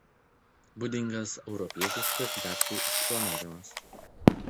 Būdingas europietiškas gatvių išplanavimas.